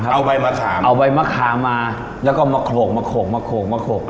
เอาใบมะขามเอาใบมะขามมาแล้วก็มาโขลกมาโขกมาโขกมาโขก